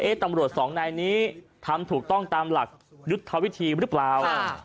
ตำรวจสองนายนี้ทำถูกต้องตามหลักยุทธวิธีหรือเปล่า